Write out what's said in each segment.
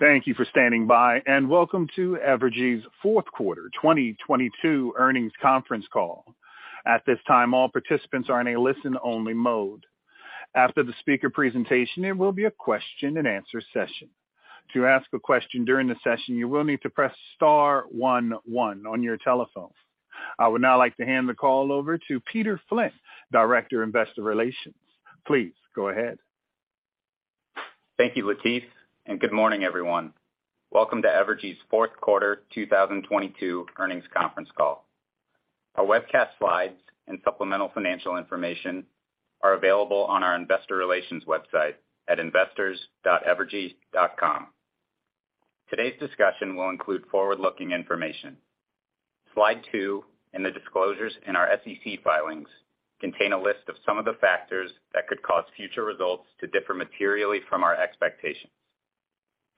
Thank you for standing by and welcome to Evergy's Fourth Quarter 2022 Earnings Conference Call. At this time, all participants are in a listen-only mode. After the speaker presentation, there will be a question-and-answer session. To ask a question during the session, you will need to press star one one on your telephone. I would now like to hand the call over to Peter Flynn, Director, Investor Relations. Please go ahead. Thank you, Latif, and good morning, everyone. Welcome to Evergy's Fourth Quarter 2022 Earnings Conference Call. Our webcast slides and supplemental financial information are available on our Investor Relations website at investors.evergy.com. Today's discussion will include forward-looking information. Slide 2 and the disclosures in our SEC filings contain a list of some of the factors that could cause future results to differ materially from our expectations.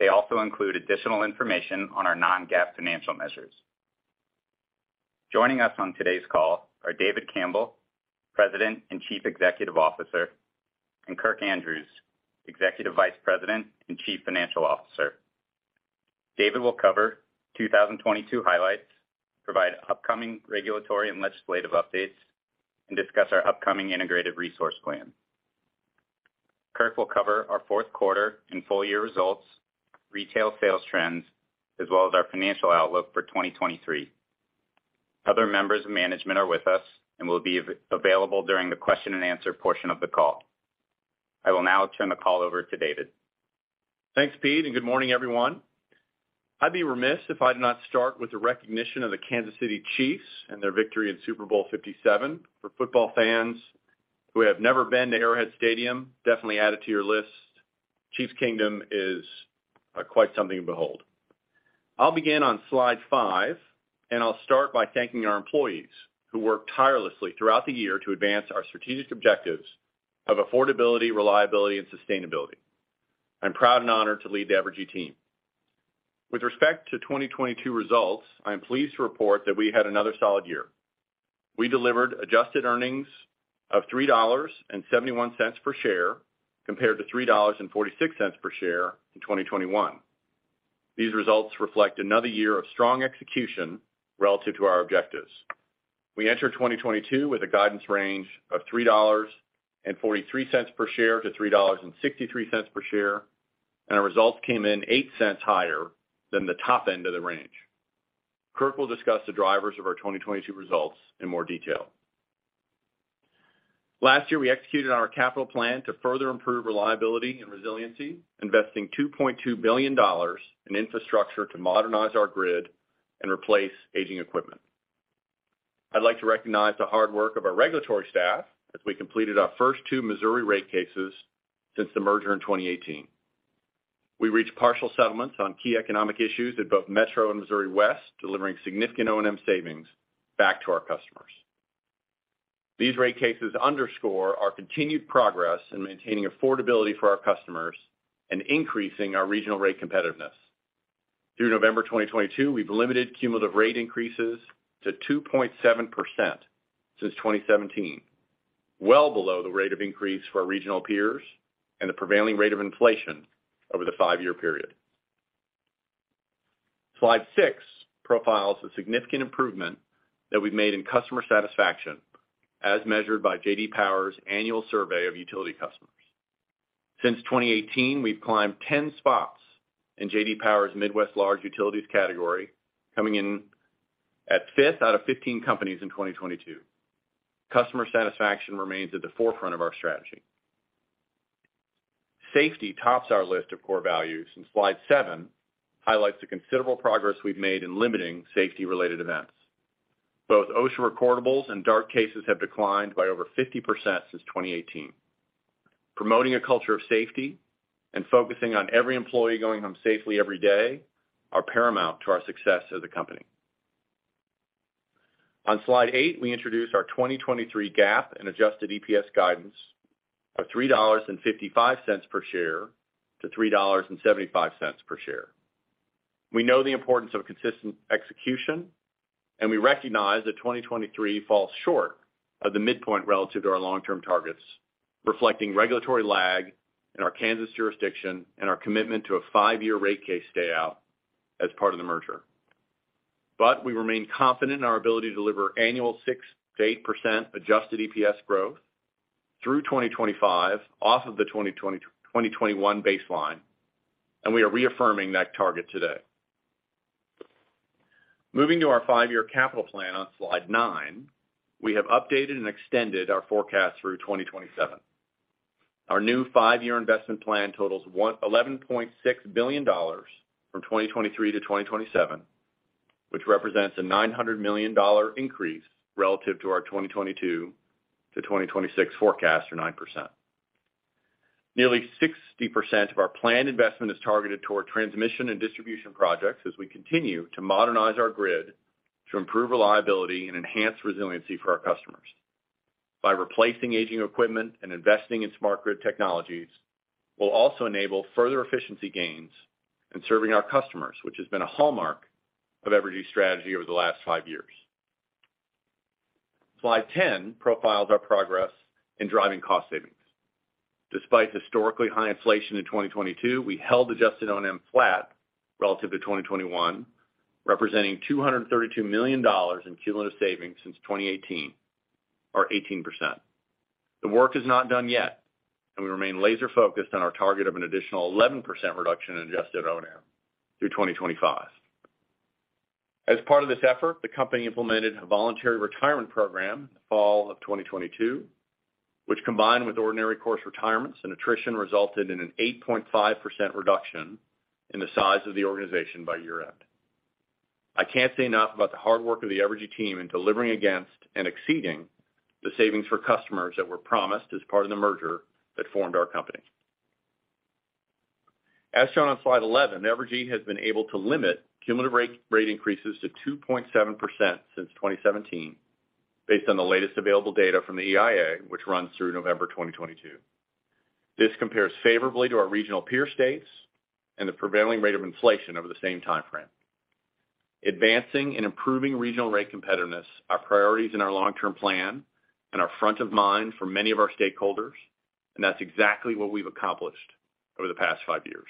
They also include additional information on our non-GAAP financial measures. Joining us on today's call are David Campbell, President and Chief Executive Officer, and Kirk Andrews, Executive Vice President and Chief Financial Officer. David will cover 2022 highlights, provide upcoming regulatory and legislative updates, and discuss our upcoming integrated resource plan. Kirk will cover our fourth quarter and full year results, retail sales trends, as well as our financial outlook for 2023. Other members of management are with us and will be available during the question-and-answer portion of the call. I will now turn the call over to David. Thanks, Pete. Good morning, everyone. I'd be remiss if I did not start with a recognition of the Kansas City Chiefs and their victory in Super Bowl 57. For football fans who have never been to Arrowhead Stadium, definitely add it to your list. Chiefs Kingdom is quite something to behold. I'll begin on slide 5. I'll start by thanking our employees, who work tirelessly throughout the year to advance our strategic objectives of affordability, reliability, and sustainability. I'm proud and honored to lead the Evergy team. With respect to 2022 results, I am pleased to report that we had another solid year. We delivered adjusted earnings of $3.71 per share, compared to $3.46 per share in 2021. These results reflect another year of strong execution relative to our objectives. We entered 2022 with a guidance range of $3.43 per share-$3.63 per share. Our results came in $0.08 higher than the top end of the range. Kirk will discuss the drivers of our 2022 results in more detail. Last year, we executed our capital plan to further improve reliability and resiliency, investing $2.2 billion in infrastructure to modernize our grid and replace aging equipment. I'd like to recognize the hard work of our regulatory staff as we completed our first two Missouri rate cases since the merger in 2018. We reached partial settlements on key economic issues in both Metro and Missouri West, delivering significant O&M savings back to our customers. These rate cases underscore our continued progress in maintaining affordability for our customers and increasing our regional rate competitiveness. Through November 2022, we've limited cumulative rate increases to 2.7% since 2017, well below the rate of increase for our regional peers and the prevailing rate of inflation over the five-year period. Slide 6 profiles the significant improvement that we've made in customer satisfaction, as measured by J.D. Power's annual survey of utility customers. Since 2018, we've climbed 10 spots in J.D. Power's Midwest Large Utilities category, coming in at 5th out of 15 companies in 2022. Customer satisfaction remains at the forefront of our strategy. Safety tops our list of core values. Slide 7 highlights the considerable progress we've made in limiting safety-related events. Both OSHA recordables and DART cases have declined by over 50% since 2018. Promoting a culture of safety and focusing on every employee going home safely every day are paramount to our success as a company. On slide 8, we introduce our 2023 GAAP and adjusted EPS guidance of $3.55 per share to $3.75 per share. We know the importance of consistent execution, and we recognize that 2023 falls short of the midpoint relative to our long-term targets, reflecting regulatory lag in our Kansas jurisdiction and our commitment to a five-year rate case stay out as part of the merger. We remain confident in our ability to deliver annual 6%-8% adjusted EPS growth through 2025 off of the 2021 baseline, and we are reaffirming that target today. Moving to our five-year capital plan on slide 9, we have updated and extended our forecast through 2027. Our new five-year investment plan totals $11.6 billion from 2023 to 2027, which represents a $900 million increase relative to our 2022 to 2026 forecast or 9%. Nearly 60% of our planned investment is targeted toward transmission and distribution projects as we continue to modernize our grid to improve reliability and enhance resiliency for our customers. By replacing aging equipment and investing in smart grid technologies, we'll also enable further efficiency gains in serving our customers, which has been a hallmark of Evergy's strategy over the last five years. Slide 10 profiles our progress in driving cost savings. Despite historically high inflation in 2022, we held adjusted O&M flat relative to 2021, representing $232 million in cumulative savings since 2018, or 18%. The work is not done yet, and we remain laser-focused on our target of an additional 11% reduction in adjusted O&M through 2025. As part of this effort, the company implemented a voluntary retirement program fall of 2022, which combined with ordinary course retirements and attrition, resulted in an 8.5% reduction in the size of the organization by year-end. I can't say enough about the hard work of the Evergy team in delivering against and exceeding the savings for customers that were promised as part of the merger that formed our company. As shown on slide 11, Evergy has been able to limit cumulative rate increases to 2.7% since 2017 based on the latest available data from the EIA, which runs through November 2022. This compares favorably to our regional peer states and the prevailing rate of inflation over the same timeframe. Advancing and improving regional rate competitiveness are priorities in our long-term plan and are front of mind for many of our stakeholders, and that's exactly what we've accomplished over the past five years.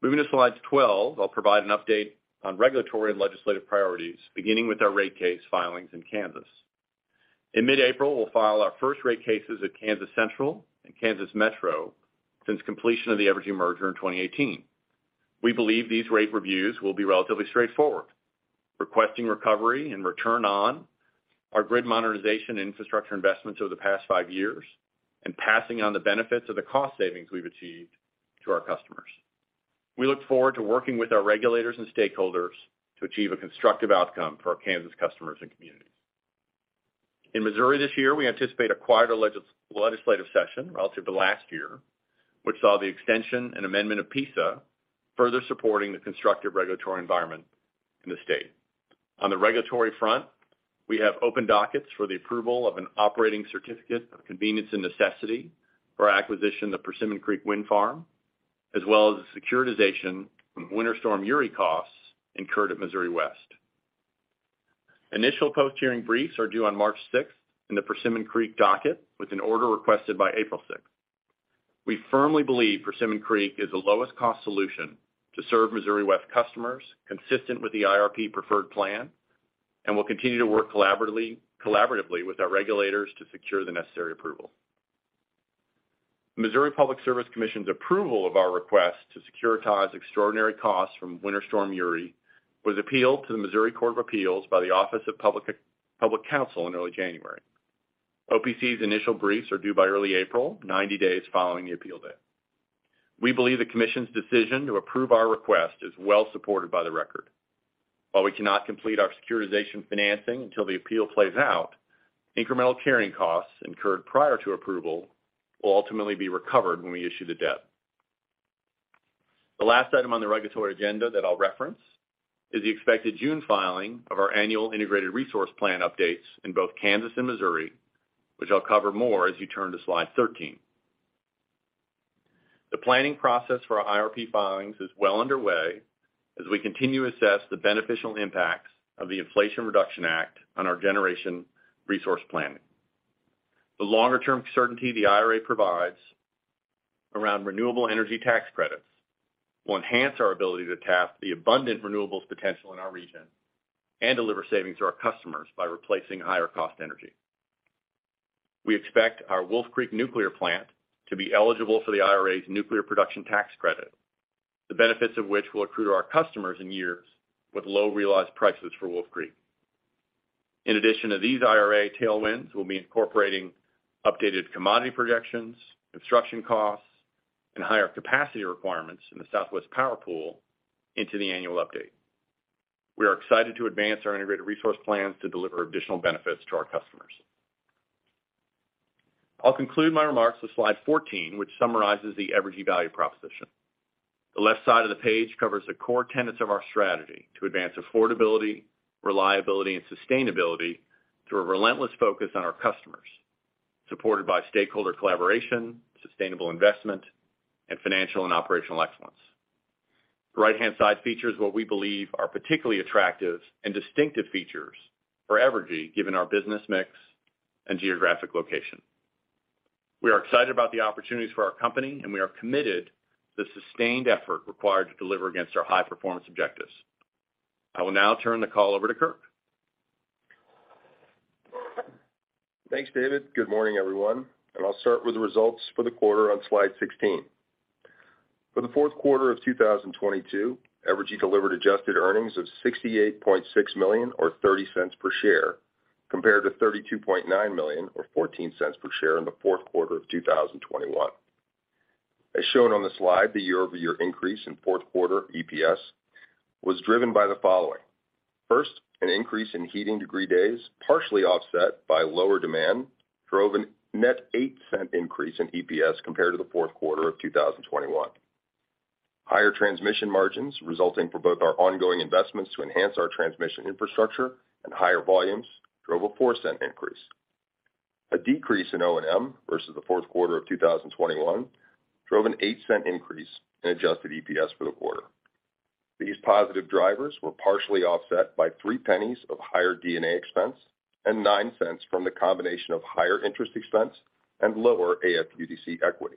Moving to slide 12, I'll provide an update on regulatory and legislative priorities, beginning with our rate case filings in Kansas. In mid-April, we'll file our first rate cases at Kansas Central and Kansas Metro since completion of the Evergy merger in 2018. We believe these rate reviews will be relatively straightforward, requesting recovery and return on our grid modernization and infrastructure investments over the past five years and passing on the benefits of the cost savings we've achieved to our customers. We look forward to working with our regulators and stakeholders to achieve a constructive outcome for our Kansas customers and communities. In Missouri this year, we anticipate a quieter legislative session relative to last year, which saw the extension and amendment of PISA, further supporting the constructive regulatory environment in the state. On the regulatory front, we have open dockets for the approval of an operating certificate of convenience and necessity for our acquisition of the Persimmon Creek Wind Farm, as well as the securitization from Winter Storm Uri costs incurred at Missouri West. Initial post-hearing briefs are due on March 6 in the Persimmon Creek docket with an order requested by April 6th. We firmly believe Persimmon Creek is the lowest cost solution to serve Missouri West customers consistent with the IRP preferred plan and will continue to work collaboratively with our regulators to secure the necessary approval. Missouri Public Service Commission's approval of our request to securitize extraordinary costs from Winter Storm Uri was appealed to the Missouri Court of Appeals by the Office of the Public Counsel in early January. OPC's initial briefs are due by early April, 90 days following the appeal date. We believe the Commission's decision to approve our request is well supported by the record. While we cannot complete our securitization financing until the appeal plays out, incremental carrying costs incurred prior to approval will ultimately be recovered when we issue the debt. The last item on the regulatory agenda that I'll reference is the expected June filing of our annual Integrated Resource Plan updates in both Kansas and Missouri, which I'll cover more as you turn to slide 13. The planning process for our IRP filings is well underway as we continue to assess the beneficial impacts of the Inflation Reduction Act on our generation resource planning. The longer-term certainty the IRA provides around renewable energy tax credits will enhance our ability to tap the abundant renewables potential in our region and deliver savings to our customers by replacing higher cost energy. We expect our Wolf Creek Nuclear Plant to be eligible for the IRA's nuclear Production Tax Credit, the benefits of which will accrue to our customers in years with low realized prices for Wolf Creek. In addition to these IRA tailwinds, we'll be incorporating updated commodity projections, construction costs, and higher capacity requirements in the Southwest Power Pool into the annual update. We are excited to advance our integrated resource plans to deliver additional benefits to our customers. I'll conclude my remarks with slide 14, which summarizes the Evergy value proposition. The left side of the page covers the core tenets of our strategy to advance affordability, reliability, and sustainability through a relentless focus on our customers, supported by stakeholder collaboration, sustainable investment, and financial and operational excellence. The right-hand side features what we believe are particularly attractive and distinctive features for Evergy, given our business mix and geographic location. We are excited about the opportunities for our company, and we are committed to the sustained effort required to deliver against our high-performance objectives. I will now turn the call over to Kirk. Thanks, David. Good morning, everyone. I'll start with the results for the quarter on slide 16. For the fourth quarter of 2022, Evergy delivered adjusted earnings of $68.6 million or $0.30 per share, compared to $32.9 million or $0.14 per share in the fourth quarter of 2021. As shown on the slide, the year-over-year increase in fourth quarter EPS was driven by the following. First, an increase in heating degree days, partially offset by lower demand, drove a net $0.08 increase in EPS compared to the fourth quarter of 2021. Higher transmission margins resulting from both our ongoing investments to enhance our transmission infrastructure and higher volumes drove a $0.04 increase. A decrease in O&M versus the fourth quarter of 2021 drove an $0.08 increase in adjusted EPS for the quarter. These positive drivers were partially offset by $0.03 of higher D&A expense and $0.09 from the combination of higher interest expense and lower AFUDC equity.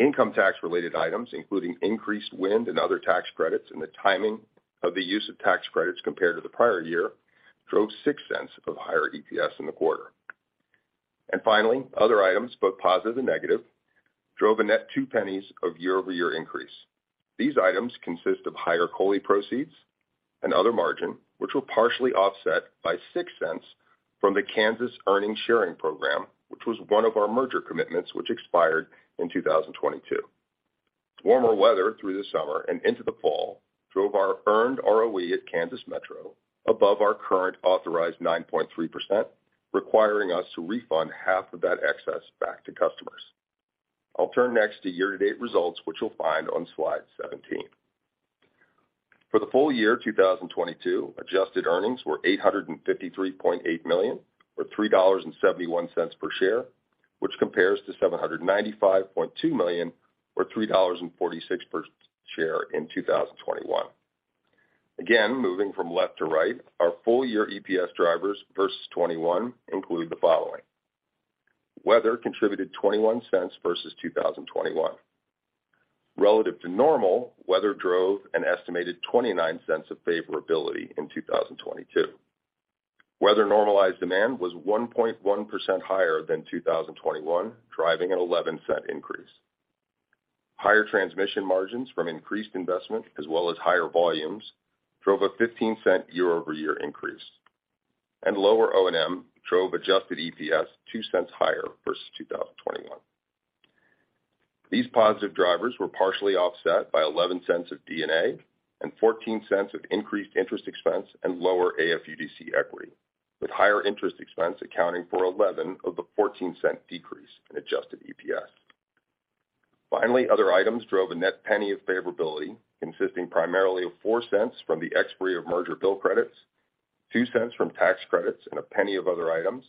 Income tax related items, including increased wind and other tax credits, and the timing of the use of tax credits compared to the prior year, drove $0.06 of higher EPS in the quarter. Finally, other items, both positive and negative, drove a net $0.02 of year-over-year increase. These items consist of higher COLI proceeds and other margin, which were partially offset by $0.06 from the Kansas earnings sharing program, which was one of our merger commitments, which expired in 2022. Warmer weather through the summer and into the fall drove our earned ROE at Kansas Metro above our current authorized 9.3%, requiring us to refund half of that excess back to customers. I'll turn next to year-to-date results, which you'll find on slide 17. For the full year 2022, adjusted earnings were $853.8 million or $3.71 per share, which compares to $795.2 million or $3.46 per share in 2021. Moving from left to right, our full year EPS drivers versus 2021 include the following: Weather contributed $0.21 versus 2021. Relative to normal, weather drove an estimated $0.29 of favorability in 2022. Weather normalized demand was 1.1% higher than 2021, driving an $0.11 increase. Higher transmission margins from increased investment as well as higher volumes drove a $0.15 year-over-year increase. Lower O&M drove adjusted EPS $0.02 higher versus 2021. These positive drivers were partially offset by $0.11 of D&A and $0.14 of increased interest expense and lower AFUDC equity, with higher interest expense accounting for $0.11 of the $0.14 decrease in adjusted EPS. Other items drove a net $0.01 of favorability, consisting primarily of $0.04 from the expiry of merger bill credits, $0.02 from tax credits, and a $0.01 of other items,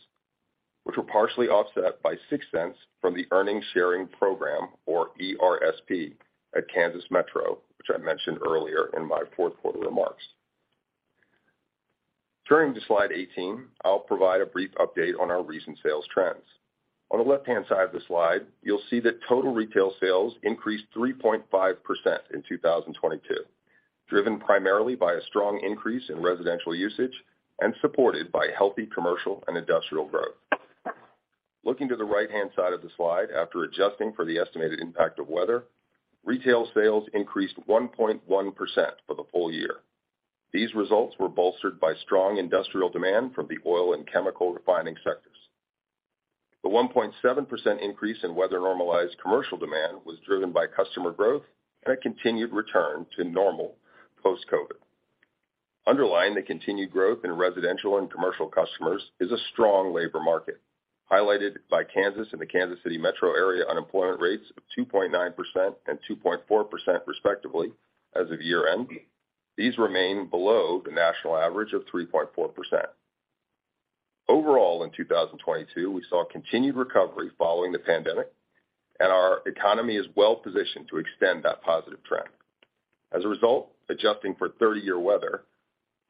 which were partially offset by $0.06 from the earnings sharing program or ERSP at Kansas Metro, which I mentioned earlier in my fourth quarter remarks. Turning to slide 18, I'll provide a brief update on our recent sales trends. On the left-hand side of the slide, you'll see that total retail sales increased 3.5% in 2022, driven primarily by a strong increase in residential usage and supported by healthy commercial and industrial growth. Looking to the right-hand side of the slide, after adjusting for the estimated impact of weather, retail sales increased 1.1% for the full year. These results were bolstered by strong industrial demand from the oil and chemical refining sectors. The 1.7% increase in weather normalized commercial demand was driven by customer growth and a continued return to normal post-COVID. Underlying the continued growth in residential and commercial customers is a strong labor market, highlighted by Kansas and the Kansas City metro area unemployment rates of 2.9% and 2.4%, respectively, as of year-end. These remain below the national average of 3.4%. Overall, in 2022, we saw continued recovery following the pandemic. Our economy is well positioned to extend that positive trend. As a result, adjusting for 30-year weather,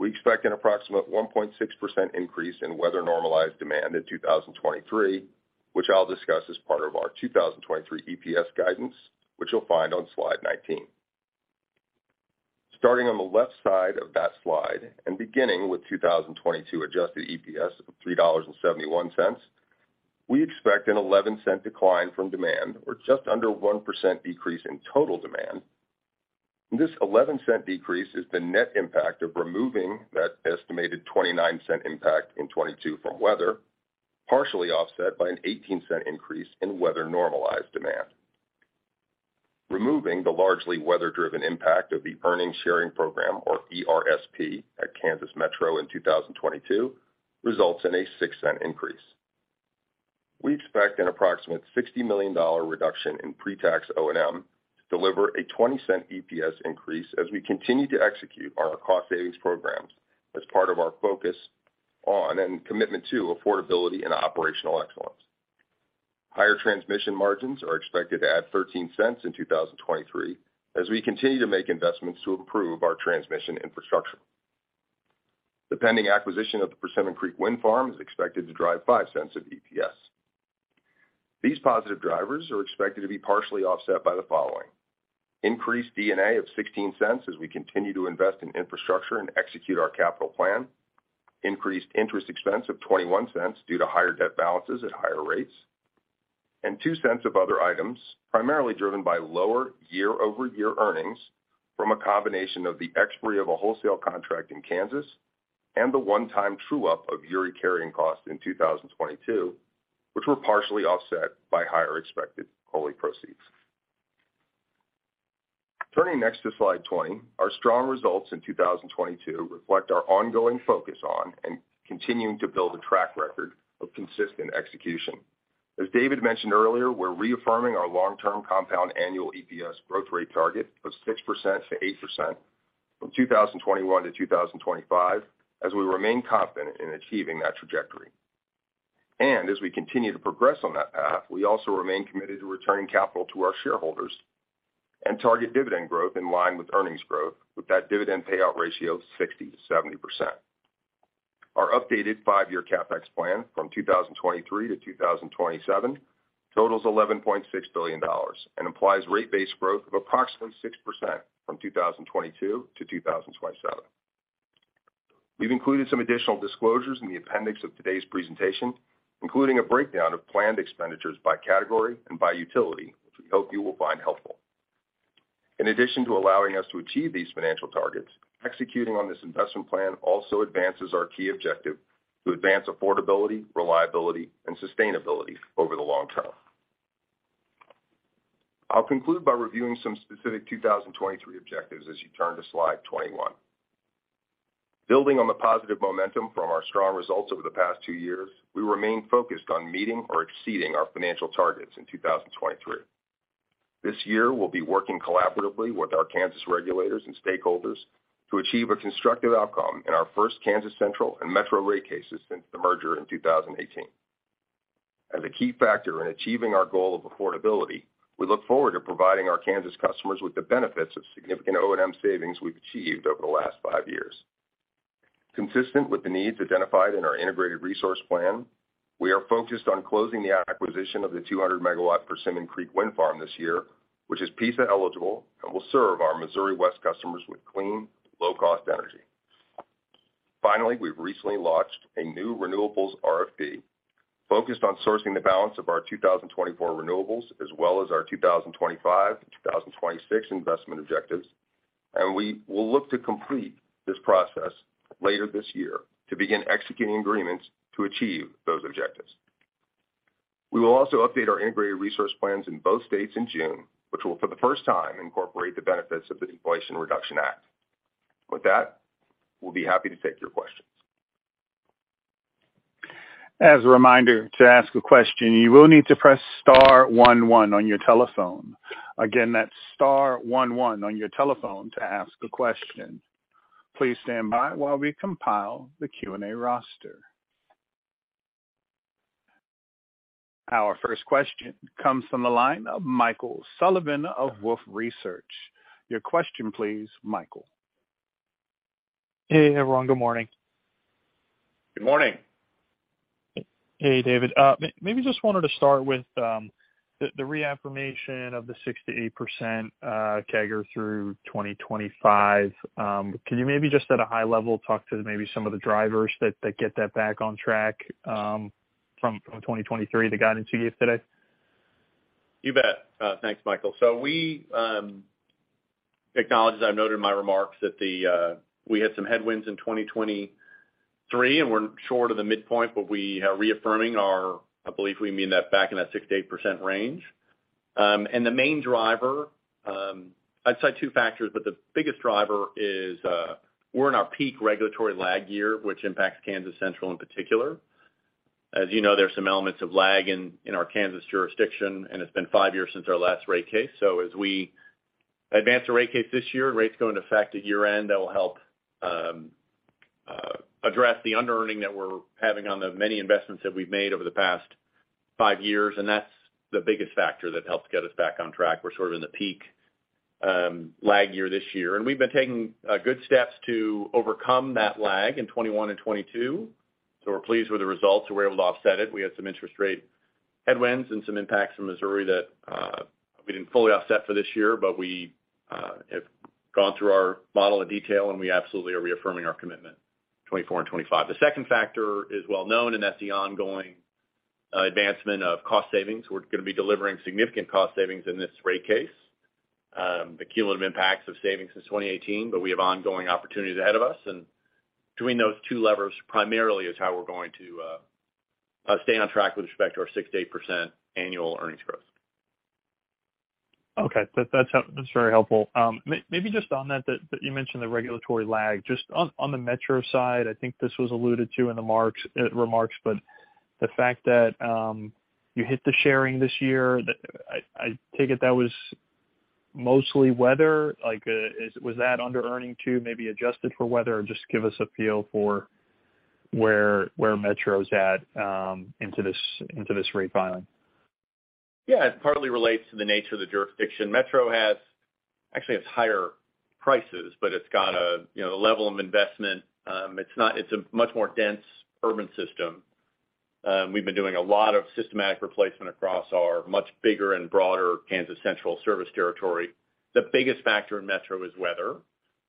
we expect an approximate 1.6% increase in weather normalized demand in 2023, which I'll discuss as part of our 2023 EPS guidance, which you'll find on slide 19. Starting on the left side of that slide and beginning with 2022 adjusted EPS of $3.71, we expect an $0.11 decline from demand or just under 1% decrease in total demand. This $0.11 decrease is the net impact of removing that estimated $0.29 impact in 2022 from weather, partially offset by an $0.18 increase in weather normalized demand. Removing the largely weather-driven impact of the earnings sharing program, or ERSP, at Kansas Metro in 2022 results in a $0.06 increase. We expect an approximate $60 million reduction in pre-tax O&M to deliver a $0.20 EPS increase as we continue to execute our cost savings programs as part of our focus on and commitment to affordability and operational excellence. Higher transmission margins are expected to add $0.13 in 2023 as we continue to make investments to improve our transmission infrastructure. The pending acquisition of the Persimmon Creek Wind Farm is expected to drive $0.05 of EPS. These positive drivers are expected to be partially offset by the following: Increased D&A of $0.16 as we continue to invest in infrastructure and execute our capital plan. Increased interest expense of $0.21 due to higher debt balances at higher rates. Two cents of other items, primarily driven by lower year-over-year earnings from a combination of the expiry of a wholesale contract in Kansas and the one-time true-up of Winter Storm Uri carrying cost in 2022, which were partially offset by higher expected COLI proceeds. Turning next to slide 20, our strong results in 2022 reflect our ongoing focus on and continuing to build a track record of consistent execution. As David mentioned earlier, we're reaffirming our long-term compound annual EPS growth rate target of 6%-8% from 2021 to 2025, as we remain confident in achieving that trajectory. As we continue to progress on that path, we also remain committed to returning capital to our shareholders and target dividend growth in line with earnings growth, with that dividend payout ratio of 60%-70%. Our updated five-year CapEx plan from 2023 to 2027 totals $11.6 billion and implies rate base growth of approximately 6% from 2022 to 2027. We've included some additional disclosures in the appendix of today's presentation, including a breakdown of planned expenditures by category and by utility, which we hope you will find helpful. In addition to allowing us to achieve these financial targets, executing on this investment plan also advances our key objective to advance affordability, reliability, and sustainability over the long term. I'll conclude by reviewing some specific 2023 objectives as you turn to slide 21. Building on the positive momentum from our strong results over the past two years, we remain focused on meeting or exceeding our financial targets in 2023. This year, we'll be working collaboratively with our Kansas regulators and stakeholders to achieve a constructive outcome in our first Kansas Central and Metro rate cases since the merger in 2018. As a key factor in achieving our goal of affordability, we look forward to providing our Kansas customers with the benefits of significant O&M savings we've achieved over the last five years. Consistent with the needs identified in our integrated resource plan, we are focused on closing the acquisition of the 200 MW Persimmon Creek Wind Farm this year, which is PISA-eligible and will serve our Missouri West customers with clean, low-cost energy. Finally, we've recently launched a new renewables RFP focused on sourcing the balance of our 2024 renewables, as well as our 2025-2026 investment objectives. We will look to complete this process later this year to begin executing agreements to achieve those objectives. We will also update our integrated resource plans in both states in June, which will, for the first time, incorporate the benefits of the Inflation Reduction Act. With that, we'll be happy to take your questions. As a reminder, to ask a question, you will need to press star one one on your telephone. Again, that's star one one on your telephone to ask a question. Please stand by while we compile the Q&A roster. Our first question comes from the line of Michael Sullivan of Wolfe Research. Your question please, Michael. Hey, everyone. Good morning. Good morning. Hey, David. Maybe just wanted to start with the reaffirmation of the 6%-8% CAGR through 2025. Can you maybe just at a high level, talk to maybe some of the drivers that get that back on track from 2023 that got introduced today? You bet. Thanks, Michael. We acknowledge, as I noted in my remarks, that we had some headwinds in 2023, and we're short of the midpoint, but we are reaffirming our, I believe we mean that back in that 6%-8% range. The main driver, I'd cite two factors, but the biggest driver is we're in our peak regulatory lag year, which impacts Evergy Kansas Central in particular. As you know, there's some elements of lag in our Kansas jurisdiction, and it's been five years since our last rate case. We advance the rate case this year, rates go into effect at year-end. That will help address the underearning that we're having on the many investments that we've made over the past five years. That's the biggest factor that helps get us back on track. We're sort of in the peak lag year this year, and we've been taking good steps to overcome that lag in 2021 and 2022. We're pleased with the results that we're able to offset it. We had some interest rate headwinds and some impacts from Missouri that we didn't fully offset for this year. We have gone through our model in detail, and we absolutely are reaffirming our commitment, 2024 and 2025. The second factor is well known, and that's the ongoing advancement of cost savings. We're gonna be delivering significant cost savings in this rate case. The cumulative impacts of savings since 2018, but we have ongoing opportunities ahead of us. Between those two levers primarily is how we're going to stay on track with respect to our 6%-8% annual earnings growth. Okay. That's very helpful. Maybe just on that you mentioned the regulatory lag, just on the Metro side, I think this was alluded to in the remarks, but the fact that you hit the sharing this year, I take it that was mostly weather. Like, was that underearning too, maybe adjusted for weather? Or just give us appeal for where Metro's at, into this rate filing? It partly relates to the nature of the jurisdiction. Metro actually, it's higher prices, but it's got a, you know, a level of investment. It's a much more dense urban system. We've been doing a lot of systematic replacement across our much bigger and broader Kansas City Central Service territory. The biggest factor in Metro is weather,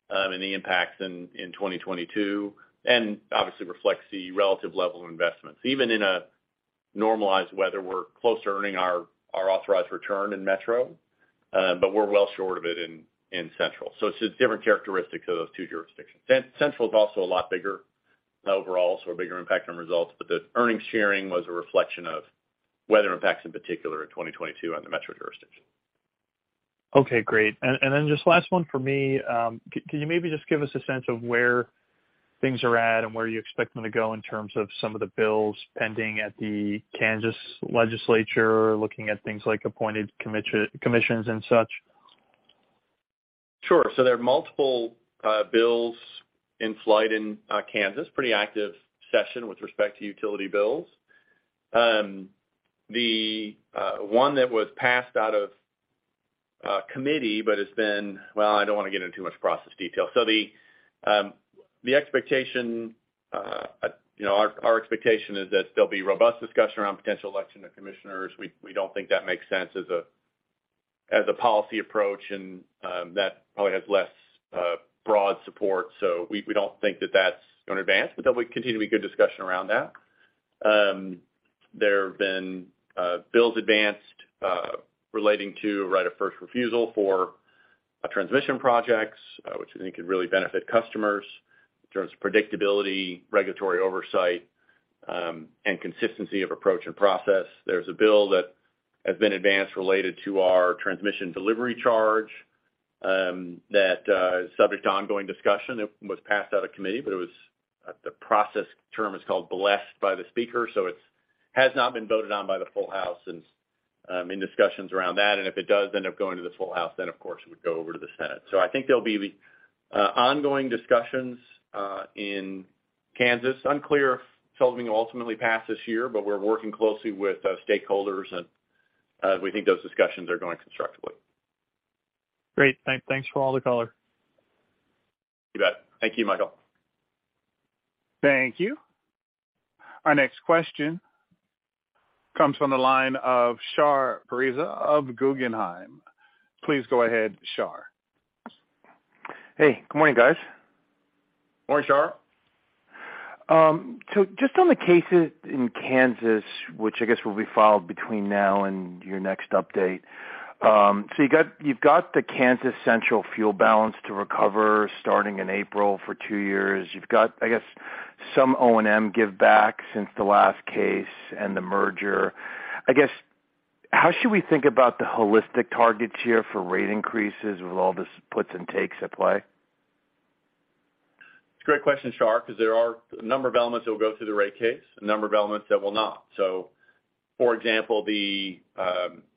and the impacts in 2022, and obviously reflects the relative level of investments. Even in a normalized weather, we're close to earning our authorized return in Metro, but we're well short of it in Central. It's just different characteristics of those two jurisdictions. Central is also a lot bigger overall, so a bigger impact on results, but the earnings sharing was a reflection of weather impacts, in particular in 2022 on the Metro jurisdiction. Okay, great. Then just last one for me. Can you maybe just give us a sense of where things are at and where you expect them to go in terms of some of the bills pending at the Kansas Legislature, looking at things like appointed commissions and such? Sure. There are multiple bills in flight in Kansas. Pretty active session with respect to utility bills. The one that was passed out of committee. Well, I don't wanna get into too much process detail. The expectation, you know, our expectation is that there'll be robust discussion around potential election of commissioners. We, we don't think that makes sense as a policy approach, and that probably has less broad support. We, we don't think that that's gonna advance, but there'll continue to be good discussion around that. There have been bills advanced relating to Right of First Refusal for transmission projects, which I think could really benefit customers in terms of predictability, regulatory oversight, and consistency of approach and process. There's a bill that has been advanced related to our transmission delivery charge, that is subject to ongoing discussion. It was passed out of committee, but it was, the process term is called blessed by the speaker, so it has not been voted on by the full House since, in discussions around that. If it does end up going to this full House, then of course it would go over to the Senate. I think there'll be ongoing discussions in Kansas. Unclear if something will ultimately pass this year, but we're working closely with stakeholders, and we think those discussions are going constructively. Great. Thanks for all the color. You bet. Thank you, Michael. Thank you. Our next question comes from the line of Shar Pourreza of Guggenheim. Please go ahead, Shar. Hey, good morning, guys. Morning, Shar. Just on the cases in Kansas, which I guess will be filed between now and your next update. You've got the Kansas Central fuel balance to recover starting in April for two years. You've got, I guess, some O&M give back since the last case and the merger. I guess, how should we think about the holistic targets here for rate increases with all this puts and takes at play? It's a great question, Shar, 'cause there are a number of elements that will go through the rate case, a number of elements that will not. For example,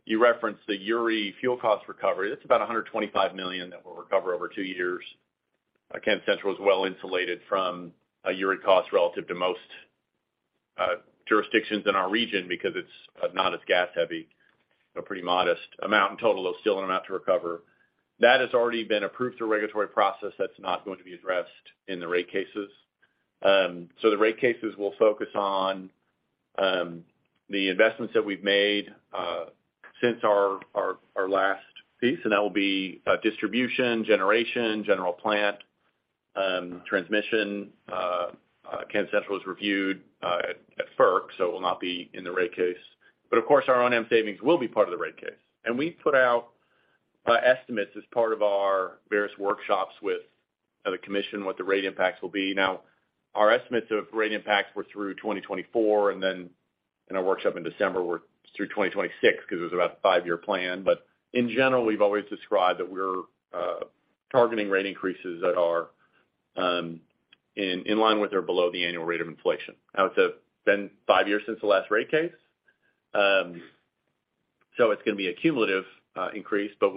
you referenced the URI fuel cost recovery. That's about $125 million that we'll recover over two years. Kansas Central is well-insulated from a URI cost relative to most jurisdictions in our region because it's not as gas heavy. A pretty modest amount in total, though still an amount to recover. That has already been approved through regulatory process. That's not going to be addressed in the rate cases. The rate cases will focus on the investments that we've made since our last piece, and that will be distribution, generation, general plant, transmission. Kansas Central is reviewed at FERC, so it will not be in the rate case. Of course, our O&M savings will be part of the rate case. We put out estimates as part of our various workshops with the Commission what the rate impacts will be. Our estimates of rate impacts were through 2024, and then in our workshop in December were through 2026 'cause it was about a five-year plan. In general, we've always described that we're targeting rate increases that are in line with or below the annual rate of inflation. It's been five years since the last rate case, so it's gonna be a cumulative increase, but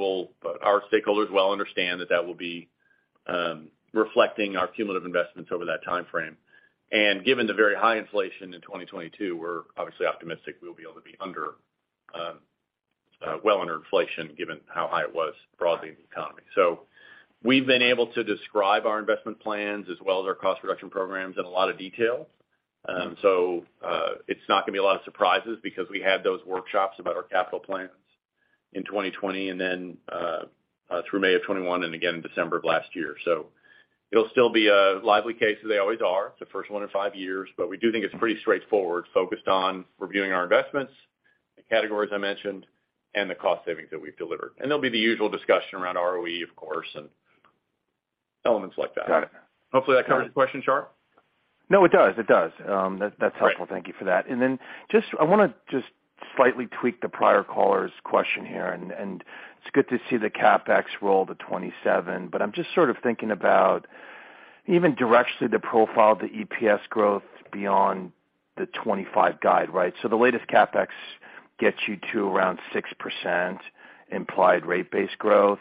our stakeholders well understand that that will be reflecting our cumulative investments over that timeframe. Given the very high inflation in 2022, we're obviously optimistic we'll be able to be well under inflation given how high it was broadly in the economy. We've been able to describe our investment plans as well as our cost reduction programs in a lot of detail. It's not gonna be a lot of surprises because we had those workshops about our capital plans in 2020 and then through May of 2021 and again in December of last year. It'll still be a lively case, as they always are, the first one in five years. We do think it's pretty straightforward, focused on reviewing our investments, the categories I mentioned, and the cost savings that we've delivered. There'll be the usual discussion around ROE, of course, and elements like that. Got it. Hopefully, that covers your question, Shar. No, it does. It does. That's helpful. Great. Thank you for that. Just I wanna just slightly tweak the prior caller's question here, and it's good to see the CapEx roll to 2027, but I'm just sort of thinking about even directionally the profile of the EPS growth beyond the 2025 guide, right? The latest CapEx gets you to around 6% implied rate base growth.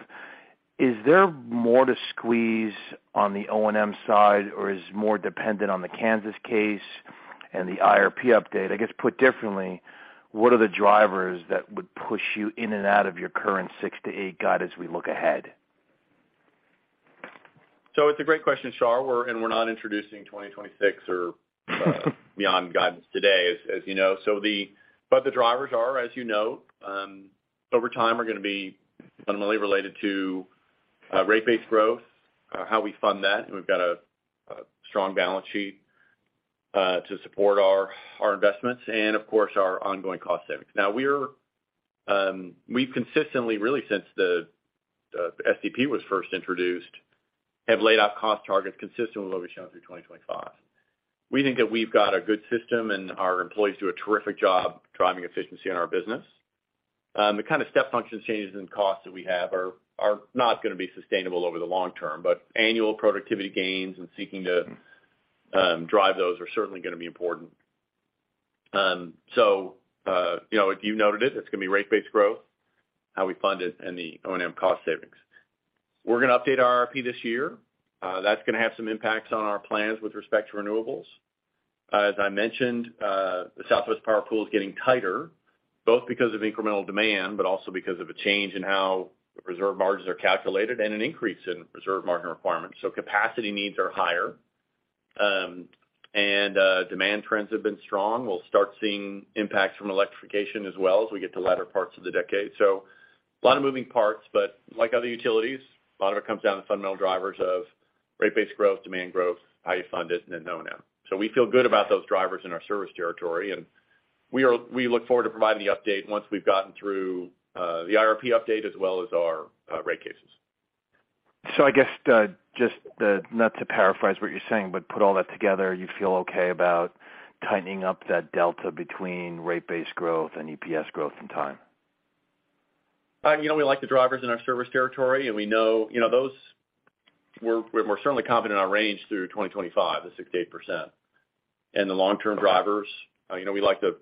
Is there more to squeeze on the O&M side, or is more dependent on the Kansas case and the IRP update? I guess put differently, what are the drivers that would push you in and out of your current 6%-8% guide as we look ahead? It's a great question, Shar. We're not introducing 2026 or beyond guidance today, as you know. The drivers are, as you know, over time are gonna be fundamentally related to rate base growth, how we fund that. We've got a strong balance sheet to support our investments and, of course, our ongoing cost savings. We're, we've consistently, really since the STP was first introduced-have laid out cost targets consistent with what we've shown through 2025. We think that we've got a good system and our employees do a terrific job driving efficiency in our business. The kind of step function changes in costs that we have are not gonna be sustainable over the long term. Annual productivity gains and seeking to drive those are certainly gonna be important. You know, you noted it's gonna be rate based growth, how we fund it, and the O&M cost savings. We're gonna update our IRP this year. That's gonna have some impacts on our plans with respect to renewables. As I mentioned, the Southwest Power Pool is getting tighter, both because of incremental demand, also because of a change in how the reserve margins are calculated and an increase in reserve margin requirements. Capacity needs are higher. Demand trends have been strong. We'll start seeing impacts from electrification as well as we get to latter parts of the decade. A lot of moving parts, but like other utilities, a lot of it comes down to fundamental drivers of rate base growth, demand growth, how you fund it, and then O&M. We feel good about those drivers in our service territory, and we look forward to providing the update once we've gotten through the IRP update as well as our rate cases. I guess, just, not to paraphrase what you're saying, but put all that together, you feel okay about tightening up that delta between rate base growth and EPS growth in time? You know, we like the drivers in our service territory, and we know, you know, We're more certainly confident in our range through 2025, the 6%-8%. The long-term drivers, you know, we like the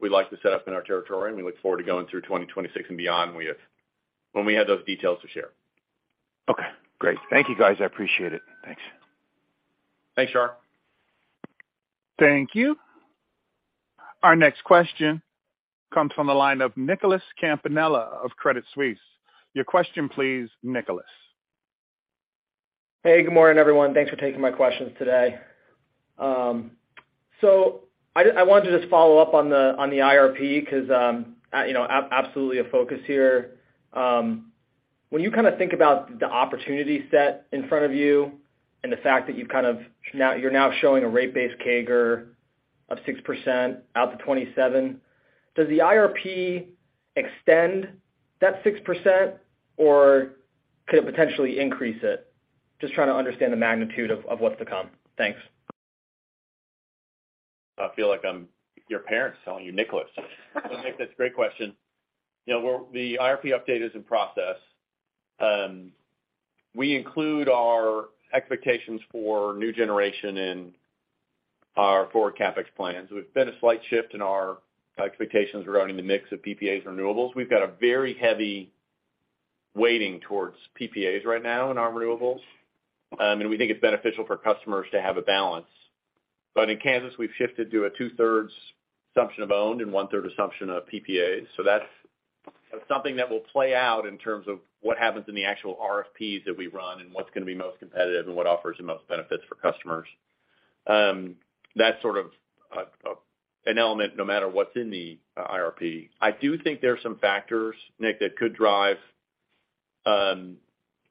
setup in our territory, and we look forward to going through 2026 and beyond when we have those details to share. Okay, great. Thank you, guys. I appreciate it. Thanks. Thanks, Shar. Thank you. Our next question comes from the line of Nicholas Campanella of Credit Suisse. Your question, please, Nicholas. Hey, good morning, everyone. Thanks for taking my questions today. I wanted to just follow up on the, on the IRP because, you know, absolutely a focus here. When you kind of think about the opportunity set in front of you and the fact that you kind of you're now showing a rate base CAGR of 6% out to 2027, does the IRP extend that 6%, or could it potentially increase it? Just trying to understand the magnitude of what's to come. Thanks. I feel like I'm your parent telling you Nicholas. Nick, that's a great question. You know, we're. The IRP update is in process. We include our expectations for new generation in our forward CapEx plans. There's been a slight shift in our expectations surrounding the mix of PPAs and renewables. We've got a very heavy weighting towards PPAs right now in our renewables. We think it's beneficial for customers to have a balance. In Kansas, we've shifted to a two-thirds assumption of owned and one-third assumption of PPAs. That's something that will play out in terms of what happens in the actual RFPs that we run and what's gonna be most competitive and what offers the most benefits for customers. That's sort of an element no matter what's in the IRP. I do think there are some factors, Nick, that could drive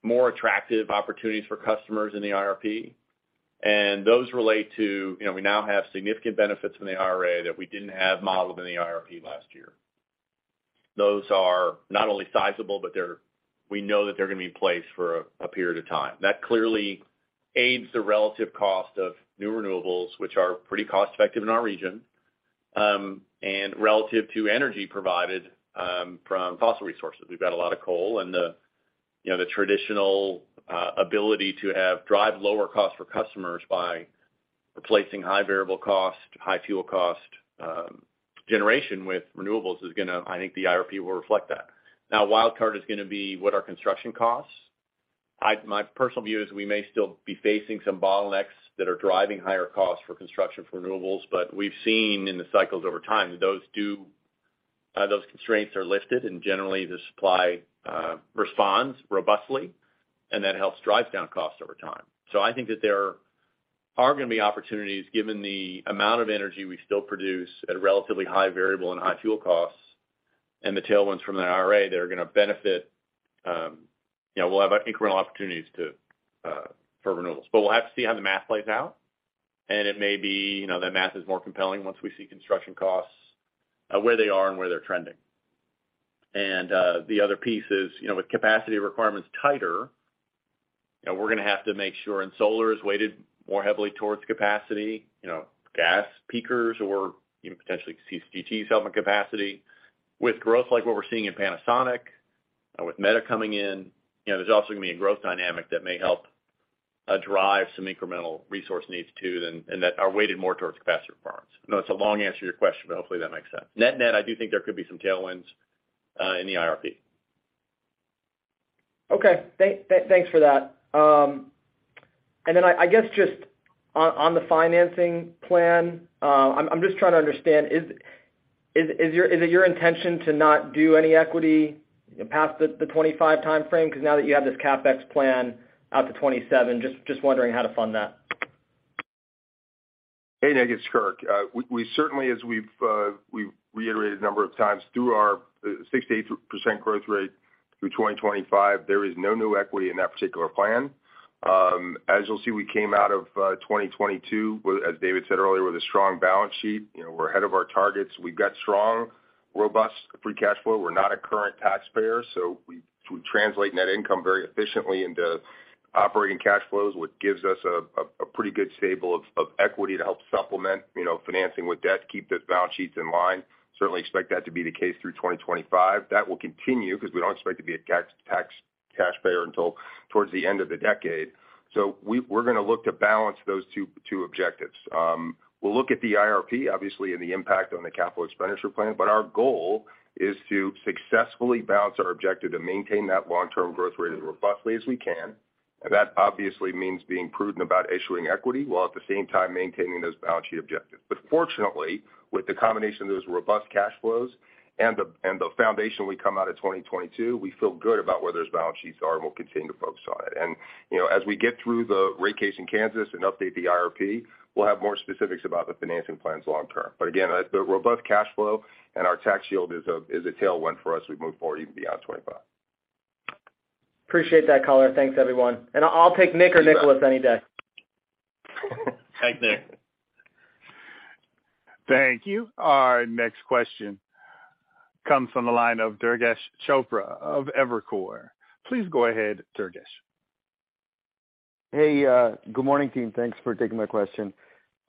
more attractive opportunities for customers in the IRP, and those relate to, you know, we now have significant benefits from the IRA that we didn't have modeled in the IRP last year. Those are not only sizable, but we know that they're gonna be in place for a period of time. That clearly aids the relative cost of new renewables, which are pretty cost-effective in our region, and relative to energy provided from fossil resources. We've got a lot of coal and the, you know, the traditional ability to have drive lower costs for customers by replacing high variable cost, high fuel cost, generation with renewables I think the IRP will reflect that. Now, wild card is gonna be what are construction costs. My personal view is we may still be facing some bottlenecks that are driving higher costs for construction for renewables, we've seen in the cycles over time, those do, those constraints are lifted and generally the supply responds robustly, and that helps drive down costs over time. I think that there are gonna be opportunities given the amount of energy we still produce at a relatively high variable and high fuel costs and the tailwinds from the IRA that are gonna benefit, you know, we'll have incremental opportunities to for renewables. We'll have to see how the math plays out, and it may be, you know, that math is more compelling once we see construction costs where they are and where they're trending. The other piece is, you know, with capacity requirements tighter, you know, we're gonna have to make sure and solar is weighted more heavily towards capacity, you know, gas peakers or, you know, potentially CCTs helping capacity. With growth like what we're seeing in Panasonic, with Meta coming in, you know, there's also going to be a growth dynamic that may help drive some incremental resource needs too, and that are weighted more towards capacity requirements. I know it's a long answer to your question, but hopefully that makes sense. Net-net, I do think there could be some tailwinds in the IRP. Okay. Thanks for that. I guess just on the financing plan, I'm just trying to understand, is it your intention to not do any equity past the 25 timeframe? Now that you have this CapEx plan out to 27, just wondering how to fund that. Hey, Nick, it's Kirk. We certainly, as we've reiterated a number of times through our 6%-8% growth rate through 2025, there is no new equity in that particular plan. As you'll see, we came out of 2022, as David said earlier, with a strong balance sheet. You know, we're ahead of our targets. We've got robust free cash flow. We're not a current taxpayer, so we translate net income very efficiently into operating cash flows, which gives us a pretty good stable of equity to help supplement, you know, financing with debt to keep the balance sheets in line. Certainly expect that to be the case through 2025. That will continue because we don't expect to be a taxpayer until towards the end of the decade. We're gonna look to balance those two objectives. We'll look at the IRP, obviously, and the impact on the capital expenditure plan, but our goal is to successfully balance our objective to maintain that long-term growth rate as robustly as we can. That obviously means being prudent about issuing equity while at the same time maintaining those balance sheet objectives. Fortunately, with the combination of those robust cash flows and the foundation we come out of 2022, we feel good about where those balance sheets are and we'll continue to focus on it. You know, as we get through the rate case in Kansas and update the IRP, we'll have more specifics about the financing plans long term. Again, the robust cash flow and our tax shield is a tailwind for us as we move forward even beyond 2025. Appreciate that color. Thanks, everyone. I'll take Nick or Nicholas any day. Thanks, Nick. Thank you. Our next question comes from the line of Durgesh Chopra of Evercore. Please go ahead, Durgesh. Hey, good morning, team. Thanks for taking my question.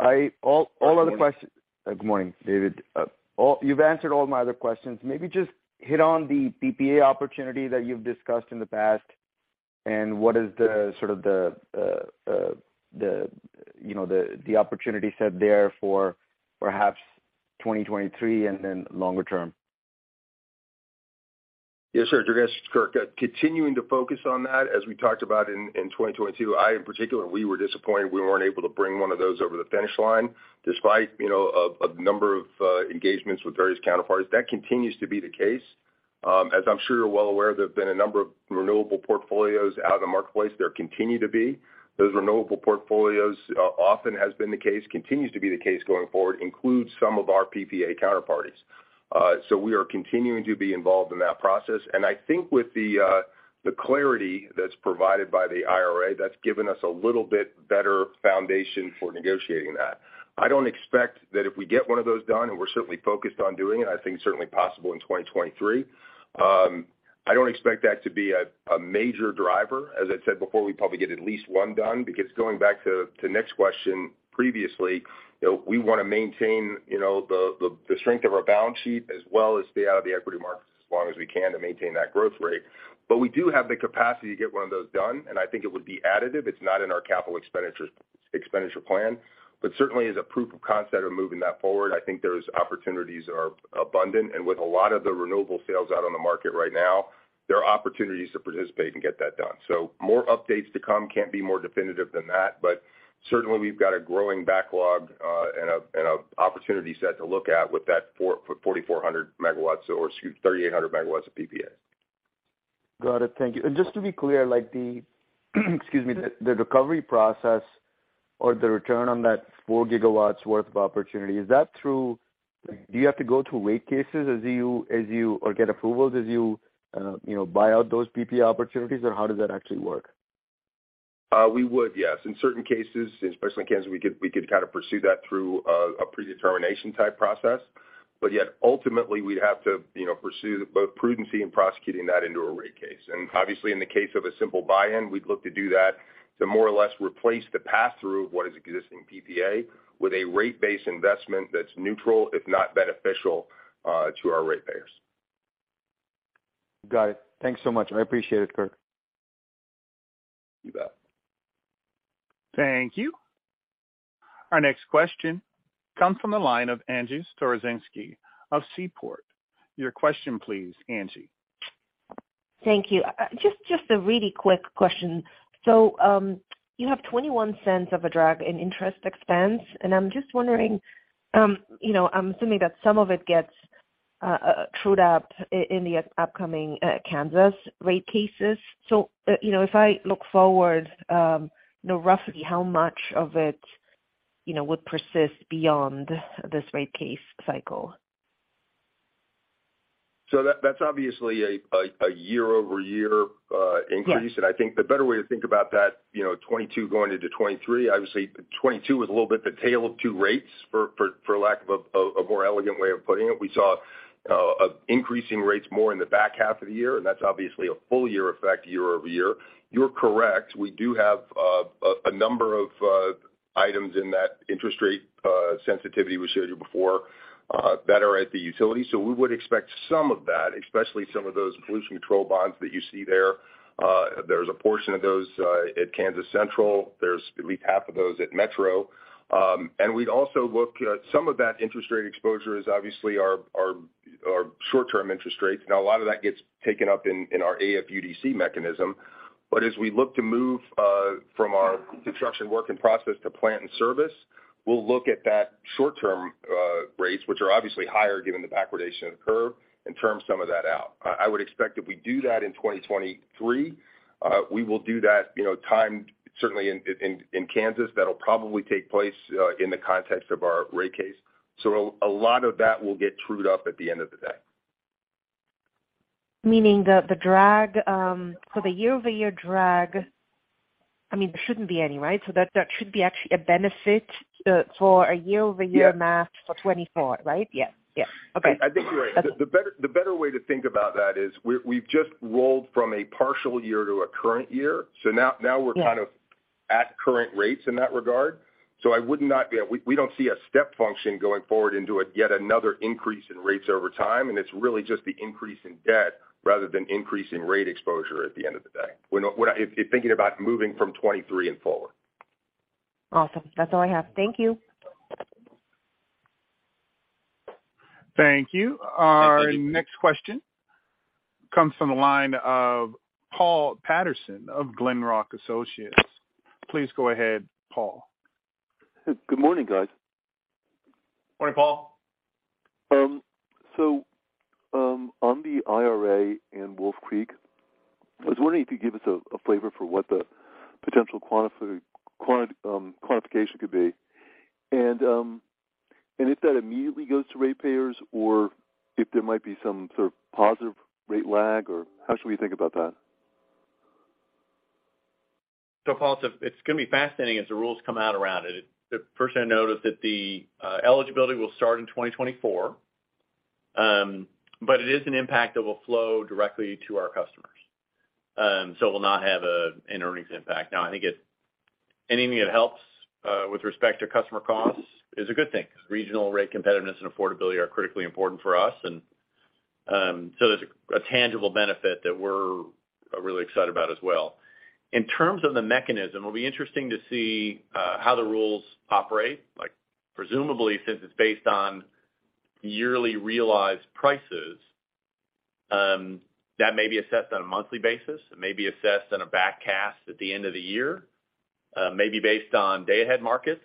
All other questions. Good morning. Good morning, David. You've answered all my other questions. Maybe just hit on the PPA opportunity that you've discussed in the past and what is the, sort of the, you know, the opportunity set there for perhaps 2023 and then longer term? Yes, sir, Durgesh. Kirk. Continuing to focus on that, as we talked about in 2022, I in particular, we were disappointed we weren't able to bring one of those over the finish line, despite, you know, a number of engagements with various counterparties. That continues to be the case. As I'm sure you're well aware, there have been a number of renewable portfolios out in the marketplace. There continue to be. Those renewable portfolios, often has been the case, continues to be the case going forward, includes some of our PPA counterparties. We are continuing to be involved in that process. I think with the clarity that's provided by the IRA, that's given us a little bit better foundation for negotiating that. I don't expect that if we get one of those done, and we're certainly focused on doing it, I think certainly possible in 2023, I don't expect that to be a major driver. As I've said before, we probably get at least one done, because going back to Nick's question previously, you know, we wanna maintain, you know, the, the strength of our balance sheet as well as stay out of the equity markets as long as we can to maintain that growth rate. We do have the capacity to get one of those done, and I think it would be additive. It's not in our capital expenditure plan, but certainly as a proof of concept of moving that forward, I think those opportunities are abundant. With a lot of the renewable sales out on the market right now, there are opportunities to participate and get that done. More updates to come. Can't be more definitive than that. Certainly we've got a growing backlog, and an opportunity set to look at with that 4,400 MW or, excuse me, 3,800 MW of PPA. Got it. Thank you. Just to be clear, like the, excuse me, the recovery process or the return on that 4 GW worth of opportunity, is that do you have to go through rate cases as you or get approvals as you know, buy out those PPA opportunities, or how does that actually work? We would, yes. In certain cases, especially in Kansas, we could kind of pursue that through a predetermination type process. Ultimately, we'd have to, you know, pursue both prudency and prosecuting that into a rate case. Obviously, in the case of a simple buy-in, we'd look to do that to more or less replace the pass-through of what is existing PPA with a rate base investment that's neutral, if not beneficial, to our ratepayers. Got it. Thanks so much. I appreciate it, Kirk. You bet. Thank you. Our next question comes from the line of Angie Storozynski of Seaport. Your question please, Angie. Thank you. Just a really quick question. You have $0.21 of a drag in interest expense, and I'm just wondering, you know, I'm assuming that some of it gets trued up in the upcoming Kansas rate cases. You know, if I look forward, you know, roughly how much of it, you know, would persist beyond this rate case cycle? That's obviously a year-over-year increase. I think the better way to think about that, you know, 2022 going into 2023, I would say 2022 was a little bit the tale of two rates, for lack of a more elegant way of putting it. We saw increasing rates more in the back half of the year, and that's obviously a full year effect year-over-year. You're correct, we do have a number of items in that interest rate sensitivity we showed you before, that are at the utility. We would expect some of that, especially some of those pollution control bonds that you see there. There's a portion of those at Kansas Central. There's at least half of those at Metro. We'd also look at some of that interest rate exposure is obviously our short-term interest rates. A lot of that gets taken up in our AFUDC mechanism. As we look to move from our construction work in process to plant and service, we'll look at that short-term rates, which are obviously higher given the backwardation of the curve, and term some of that out. I would expect if we do that in 2023, we will do that, you know, timed certainly in Kansas. That'll probably take place in the context of our rate case. A lot of that will get trued up at the end of the day. Meaning the drag, for the year-over-year drag, I mean, there shouldn't be any, right? That should be actually a benefit for a year-over-year math for 2024, right? Yeah. Yeah. Okay. Yeah. I think you're right. The better way to think about that is we've just rolled from a partial year to a current year. Yeah Now we're kind of at current rates in that regard. I would not be. We don't see a step function going forward into a yet another increase in rates over time, and it's really just the increase in debt rather than increasing rate exposure at the end of the day. If thinking about moving from 2023 and forward. Awesome. That's all I have. Thank you. Thank you. Our next question comes from the line of Paul Patterson of Glenrock Associates. Please go ahead, Paul. Good morning, guys. Morning, Paul. On the IRA and Wolf Creek, I was wondering if you could give us a flavor for what the potential quantification could be. If that immediately goes to ratepayers or if there might be some sort of positive rate lag, or how should we think about that? Paul, it's gonna be fascinating as the rules come out around it. The first thing I noted that the eligibility will start in 2024, but it is an impact that will flow directly to our customers. It will not have an earnings impact. Now, I think anything that helps with respect to customer costs is a good thing because regional rate competitiveness and affordability are critically important for us and there's a tangible benefit that we're really excited about as well. In terms of the mechanism, it'll be interesting to see how the rules operate. Like, presumably, since it's based on yearly realized prices, that may be assessed on a monthly basis. It may be assessed on a backcast at the end of the year, maybe based on day-ahead markets.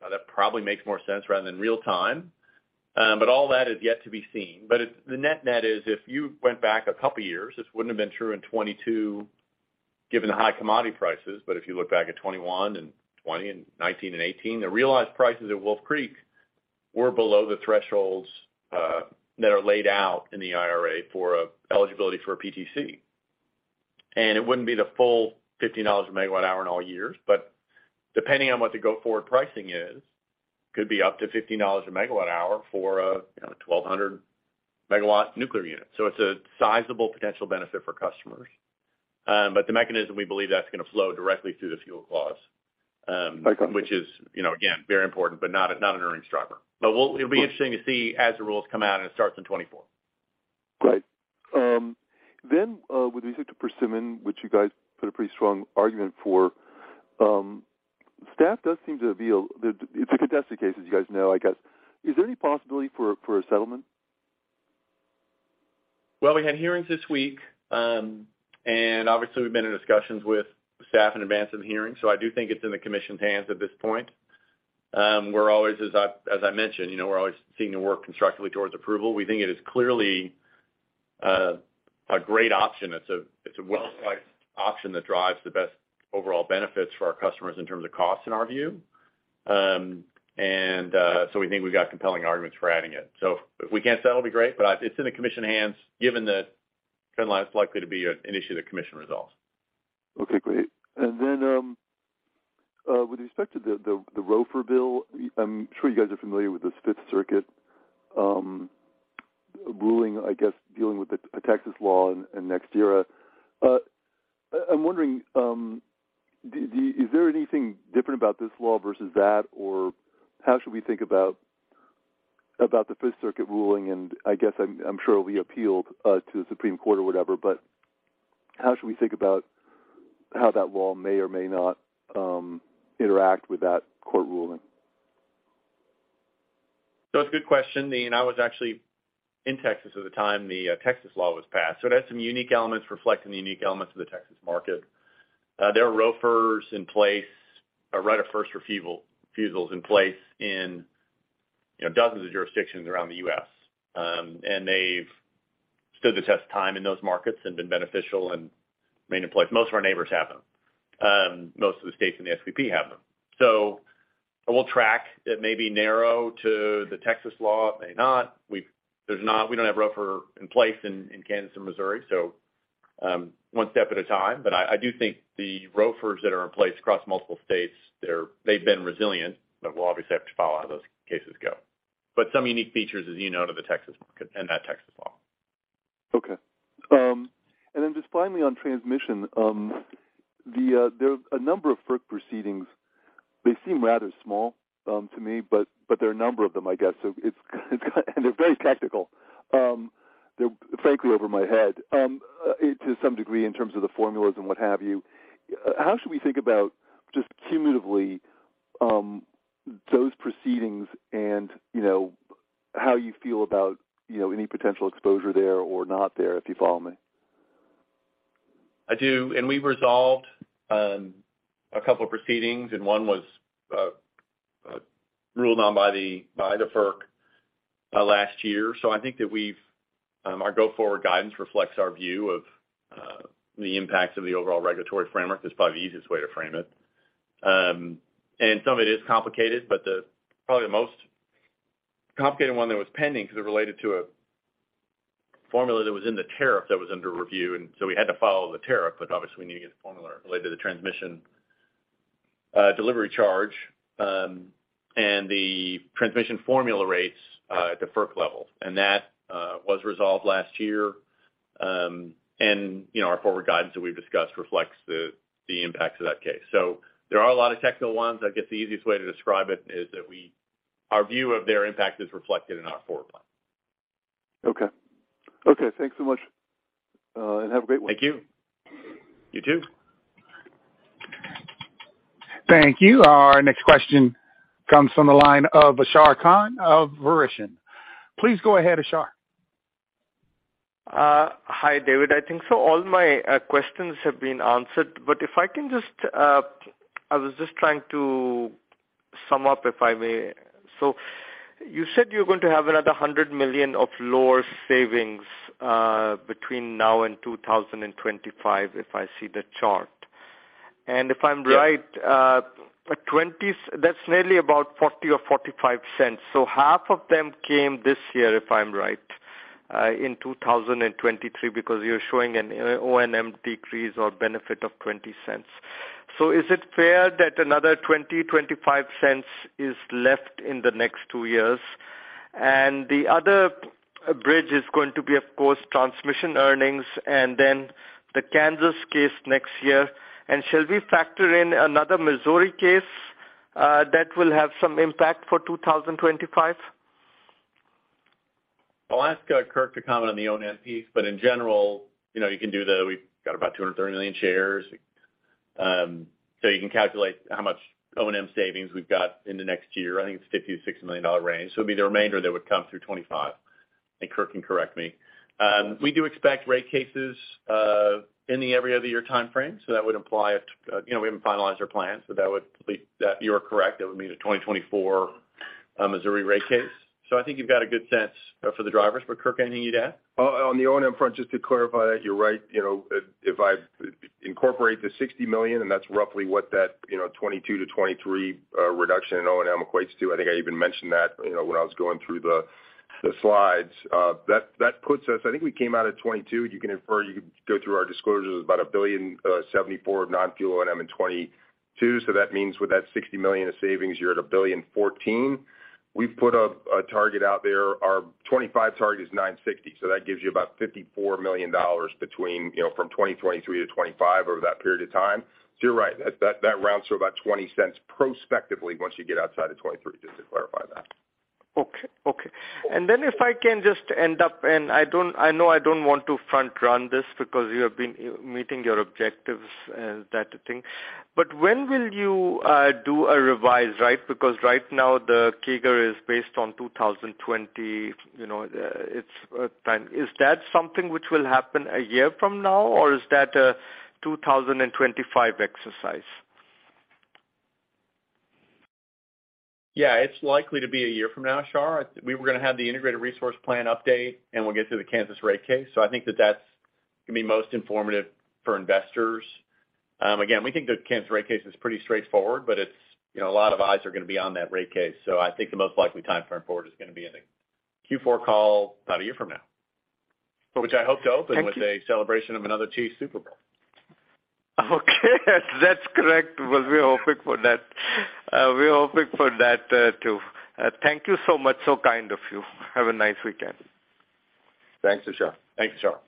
That probably makes more sense rather than real time. All that is yet to be seen. The net-net is if you went back a couple of years, this wouldn't have been true in 2022, given the high commodity prices. If you look back at 2021 and 2020 and 2019 and 2018, the realized prices at Wolf Creek were below the thresholds that are laid out in the IRA for a eligibility for a PTC. It wouldn't be the full $50 a MWh in all years, but depending on what the go-forward pricing is, could be up to $50 a MWh for a, you know, 1,200 MW nuclear unit. It's a sizable potential benefit for customers. The mechanism, we believe that's gonna flow directly through the fuel clause. Which is, you know, again, very important, but not a, not an earnings driver. It'll be interesting to see as the rules come out, and it starts in 2024. Right. Then, with respect to Persimmon, which you guys put a pretty strong argument for, staff does seem to be it's a contested case, as you guys know, I guess. Is there any possibility for a settlement? We had hearings this week, and obviously, we've been in discussions with the staff in advance of the hearing, so I do think it's in the Commission's hands at this point. We're always, as I mentioned, you know, we're always seeking to work constructively towards approval. We think it is clearly a great option. It's a, it's a well-sized option that drives the best overall benefits for our customers in terms of cost in our view. We think we've got compelling arguments for adding it. If we can't settle, it'll be great, but it's in the Commission hands, given that kinda like it's likely to be an issue the Commission resolves. Okay, great. With respect to the ROFR bill, I'm sure you guys are familiar with this Fifth Circuit ruling, I guess, dealing with a Texas law and NextEra. I'm wondering, is there anything different about this law versus that? How should we think about the Fifth Circuit ruling? I guess I'm sure it'll be appealed to the Supreme Court or whatever. How should we think about how that law may or may not interact with that court ruling? It's a good question. I was actually in Texas at the time the Texas law was passed. It has some unique elements reflecting the unique elements of the Texas market. There are ROFRs in place, a right of first refusal, refusals in place in, you know, dozens of jurisdictions around the U.S. They've stood the test of time in those markets and been beneficial and remain in place. Most of our neighbors have them. Most of the states in the SPP have them. We'll track. It may be narrow to the Texas law. It may not. We don't have ROFR in place in Kansas and Missouri, one step at a time. I do think the ROFRs that are in place across multiple states, they've been resilient, but we'll obviously have to follow how those cases go. Some unique features, as you know, to the Texas market and that Texas law. Okay. Then just finally on transmission, there are a number of FERC proceedings. They seem rather small to me, but there are a number of them, I guess. It's and they're very tactical. They're frankly over my head to some degree in terms of the formulas and what have you. How should we think about just cumulatively, those proceedings and, you know, how you feel about, you know, any potential exposure there or not there, if you follow me? I do. We resolved a couple of proceedings, one was ruled on by the FERC last year. I think that we've our go-forward guidance reflects our view of the impacts of the overall regulatory framework is probably the easiest way to frame it. Some of it is complicated, but the probably the most complicated one that was pending because it related to a formula that was in the tariff that was under review. We had to follow the tariff, but obviously we need to get the formula related to transmission, delivery charge, and the transmission formula rates at the FERC level. That was resolved last year. You know, our forward guidance that we've discussed reflects the impacts of that case. There are a lot of technical ones. I guess the easiest way to describe it is that our view of their impact is reflected in our forward plan. Okay, thanks so much, and have a great one. Thank you. You too. Thank you. Our next question comes from the line of Ashar Khan of Verition. Please go ahead, Ashar. Hi, David. I think all my questions have been answered. If I can just, I was just trying to sum up, if I may. You said you're going to have another $100 million of lower savings between now and 2025, if I see the chart. If I'm right, that's nearly about $0.40 or $0.45. Half of them came this year, if I'm right, in 2023, because you're showing an O&M decrease or benefit of $0.20. Is it fair that another $0.20-$0.25 is left in the next two years? The other bridge is going to be, of course, transmission earnings and then the Kansas case next year. Shall we factor in another Missouri case that will have some impact for 2025? I'll ask Kirk to comment on the O&M piece. In general, you know, you can do the we've got about 230 million shares. You can calculate how much O&M savings we've got in the next year. I think it's $50 million-$6 million range. It'd be the remainder that would come through 2025. I think Kirk can correct me. We do expect rate cases in the every other year timeframe, that would imply, you know, we haven't finalized our plans, that would be you are correct, it would be the 2024 Missouri rate case. I think you've got a good sense for the drivers. Kirk, anything you'd add? On the O&M front, just to clarify that you're right. You know, if I incorporate the $60 million and that's roughly what that, you know, 2022-2023 reduction in O&M equates to. I think I even mentioned that, you know, when I was going through the slides. That puts us I think we came out at 2022. You could go through our disclosures about $1,074 million of non-fuel O&M in 2022. That means with that $60 million of savings, you're at $1,014 million. We've put a target out there. Our 2025 target is $960 million. That gives you about $54 million between, you know, from 2023-2025 over that period of time. You're right, that rounds to about $0.20 prospectively once you get outside of 2023, just to clarify that. Okay. If I can just end up and I know I don't want to front run this because you have been meeting your objectives, that thing. When will you do a revise, right? Because right now the CAGR is based on 2020. You know, it's time. Is that something which will happen a year from now or is that a 2025 exercise? Yeah, it's likely to be a year from now, Ashar. We were going to have the integrated resource plan update and we'll get to the Kansas rate case. I think that that's going to be most informative for investors. Again, we think the Kansas rate case is pretty straightforward, but it's, you know, a lot of eyes are going to be on that rate case. I think the most likely timeframe forward is going to be in the Q4 call about a year from now. Which I hope to open with a celebration of another Chiefs Super Bowl. Okay, that's correct. Well, we're hoping for that. We're hoping for that, too. Thank you so much. Kind of you. Have a nice weekend. Thanks, Ashar. Thanks, Ashar.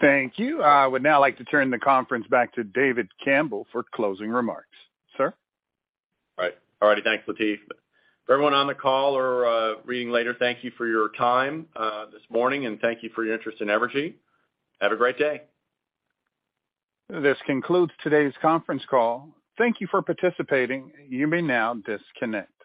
Thank you. I would now like to turn the conference back to David Campbell for closing remarks. Sir? All right. All righty. Thanks, Latif. For everyone on the call or reading later, thank you for your time this morning, thank you for your interest in Evergy. Have a great day. This concludes today's conference call. Thank you for participating. You may now disconnect.